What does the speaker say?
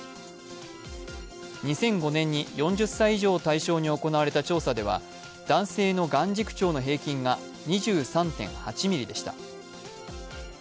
２００５年に４０歳以上を対象に行われた調査では男性の眼軸長の平均が２３．８ミリでした。